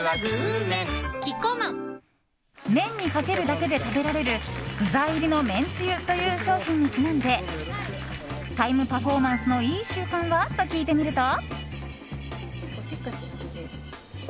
麺にかけるだけで食べられる具材入りのめんつゆという商品にちなんでタイムパフォーマンスのいい習慣は？と聞いてみると。